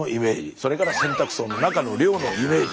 それから洗濯槽の中の量のイメージ